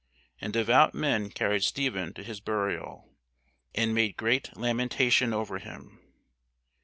And devout men carried Stephen to his burial, and made great lamentation over him.